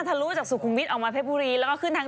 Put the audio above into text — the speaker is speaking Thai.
เถ้ารู้จากสุขุอมีสออกมาเคซปุ้อยแล้วก็ขึ้นทาง